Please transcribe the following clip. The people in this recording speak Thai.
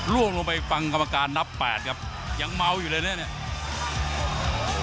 ล่วงลงไปฟังกรรมการนับแปดครับยังเมาอยู่เลยนะเนี่ย